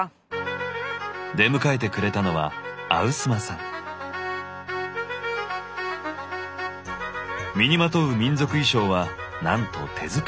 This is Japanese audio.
出迎えてくれたのは身にまとう民族衣装はなんと手作りだそう。